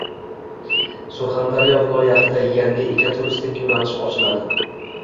Surxondaryo viloyatida yangi ekoturistik yo‘nalish ochiladi